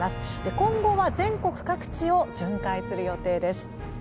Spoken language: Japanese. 今後は全国各地を巡回する予定です。